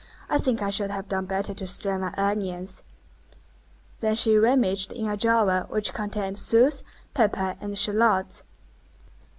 I think I should have done better to strain my onions." Then she rummaged in a drawer which contained sous, pepper, and shallots.